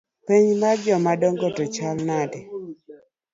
Penj mar jomadongo to chalo nade?